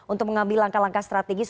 untuk mengambil langkah langkah strategis